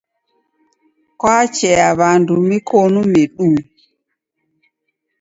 Kwachea w'andu mikonu miduhu?